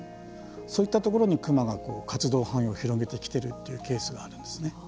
そういったところにクマが活動範囲を広げてきているというケースがあるんですよね。